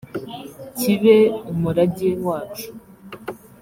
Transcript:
kibe umurage wacu